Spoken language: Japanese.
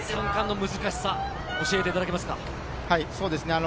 ３冠の難しさ、教えていただけますか？